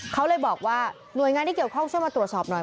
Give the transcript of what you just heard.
เขาเลยบอกว่าหน่วยงานที่เกี่ยวข้องช่วยมาตรวจสอบหน่อย